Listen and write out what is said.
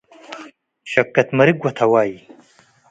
ሸከት መርግ ወተዋይ